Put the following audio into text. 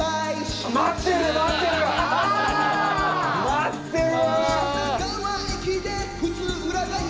待ってる！